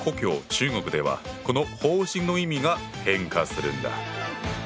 中国ではこの「放心」の意味が変化するんだ。